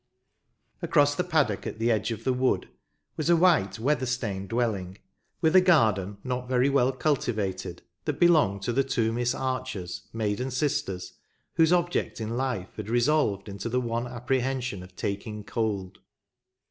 Across the paddock at the edge of the wood was a white weather stained dwelling, with a 7 Lancashire Memories. garden not very well cultivated, that belonged to the two Miss Archers, maiden sisters, whose object in life had resolved into the one appre hension of taking cold.